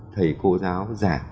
thầy cô giáo già